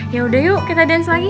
yaudah yuk kita dans lagi